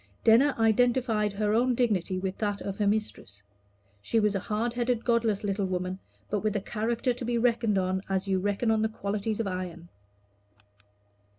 Denner identified her own dignity with that of her mistress. She was a hard headed godless little woman, but with a character to be reckoned on as you reckon on the qualities of iron.